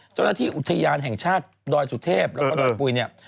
เจ้าหน้าที่อุทยานแห่งชาติดอยสุเทพแล้วก็ดอยปุ๋ยเนี่ย